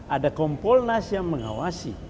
ada kompolnas yang mengawasi